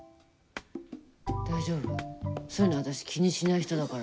大丈夫、そういうの私、気にしない人だから。